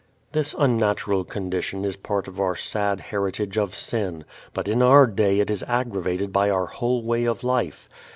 This unnatural condition is part of our sad heritage of sin, but in our day it is aggravated by our whole way of life.